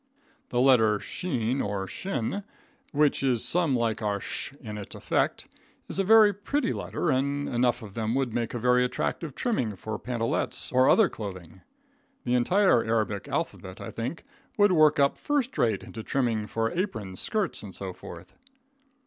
The letter "sheen" or "shin," which is some like our "sh" in its effect, is a very pretty letter, and enough of them would make very attractive trimming for pantalets or other clothing. The entire Arabic alphabet, I think, would work up first rate into trimming for aprons, skirts, and so forth.